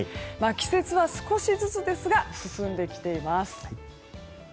季節は少しずつですが進んできています。